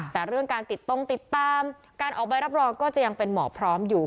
แต่เรื่องการติดตรงติดตามการออกใบรับรองก็จะยังเป็นหมอพร้อมอยู่